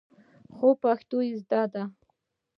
خو پښتو يې زده ده.